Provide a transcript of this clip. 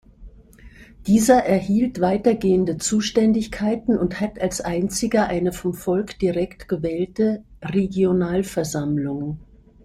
Dieser erhielt weitergehende Zuständigkeiten und hat als einziger eine vom Volk direkt gewählte "Regionalversammlung".